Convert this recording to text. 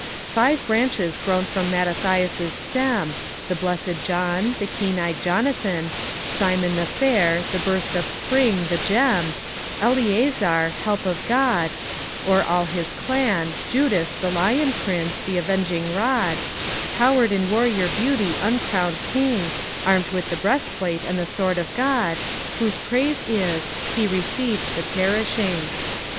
Five branches grown from Mattathias' stem, The Blessed John, the Keen Eyed Jonathan, Simon the fair, the Burst of Spring, the Gem, Eleazar, Help of God; o'er all his clan Judas the Lion Prince, the Avenging Rod, Towered in warrior beauty, uncrowned king, Armed with the breastplate and the sword of God, Whose praise is: "He received the perishing."